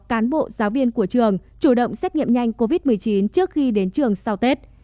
cán bộ giáo viên của trường chủ động xét nghiệm nhanh covid một mươi chín trước khi đến trường sau tết